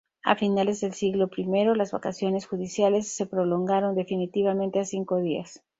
A finales del siglo I, las vacaciones judiciales se prolongaron definitivamente a cinco días.